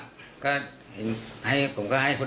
แต่ก็คิดว่าเป็นใครหรอก